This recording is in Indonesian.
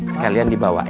sekalian dibawa ya